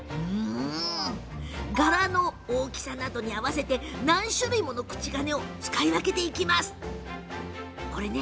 柄の大きさに合わせて何種類もの口金を使い分けているんだそう。